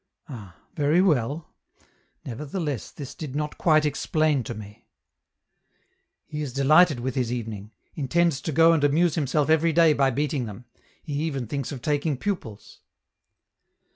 Ah, very well! Nevertheless, this did not quite explain to me! He is delighted with his evening; intends to go and amuse himself every day by beating them; he even thinks of taking pupils.